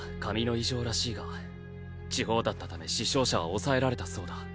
以上らしいが地方だった為死傷者はおさえられたそうだ。